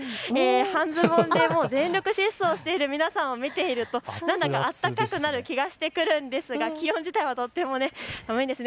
半ズボンで全力疾走している皆さんを見ていると何だかあったかくなる気がしてくるんですが気温自体はとっても寒いです。